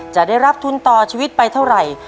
จะได้รับทุนต่อชีวิตไปเท่าไหร่